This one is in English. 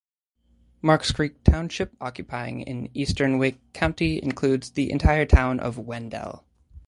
Marks Creek Township, occupying in eastern Wake County, includes the entire town of Wendell.